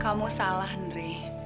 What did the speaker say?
kamu salah nri